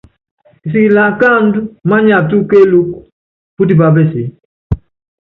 Kisikili akáandú manyátúkú kéelúku, pútipá peseé.